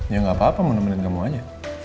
ya gapapa mau nemenin kamu aja